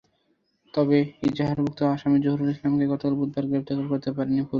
তবে এজাহারভুক্ত আসামি জহিরুল ইসলামকে গতকাল বুধবারও গ্রেপ্তার করতে পারেনি পুলিশ।